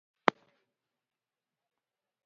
ناشونې ده چې انسان دې ناشکره وي.